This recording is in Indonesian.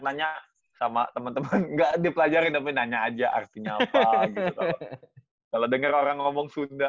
nanya sama teman teman enggak dipelajari namanya aja artinya kalau denger orang ngomong sunda tuh